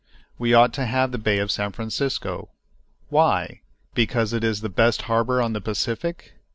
We ought to have the Bay of San Francisco. Why? Because it is the best harbor on the Pacific!